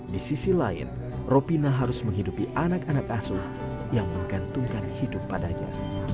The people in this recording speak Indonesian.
di sisi lain ropina harus menghidupi anak anak asuh yang menggantungkan hidup padanya